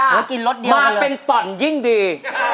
มากเป็นต่อนยิ่งดี